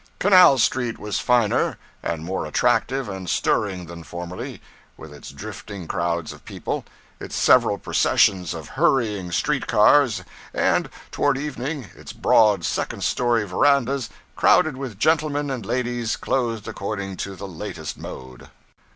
Canal Street was finer, and more attractive and stirring than formerly, with its drifting crowds of people, its several processions of hurrying street cars, and toward evening its broad second story verandas crowded with gentlemen and ladies clothed according to the latest mode.